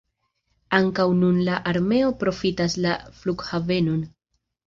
Ankaŭ nun la armeo profitas la flughavenon.